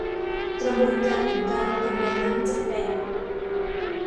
กระบวนการของการลงทะเบียนนั้นจำเป็น